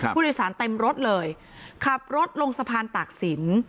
ผู้โดยสารเต็มรถเลยขับรถลงสะพานตากศิลป์